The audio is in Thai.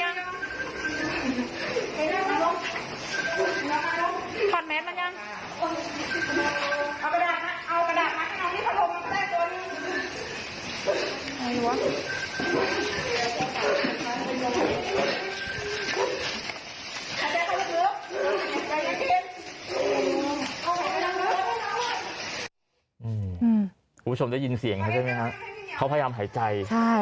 อืมอืมคุณผู้ชมได้ยินเสียงใช่ไหมครับเขาพยายามหายใจใช่